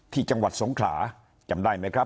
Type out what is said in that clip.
ที่จังหวัดสงขลาจำได้ไหมครับ